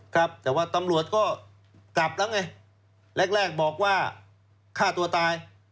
ครับแต่ว่าตำรวจก็กลับแล้วไงแรกแรกบอกว่าฆ่าตัวตาย